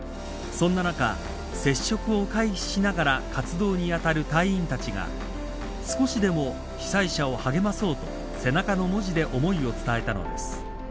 そんな中、接触を回避しながら活動にあたる隊員たちが、少しでも被災者を励まそうと背中の文字で思いを伝えたのです。